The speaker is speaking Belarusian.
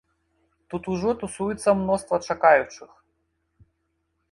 Тут ужо тусуецца мноства чакаючых.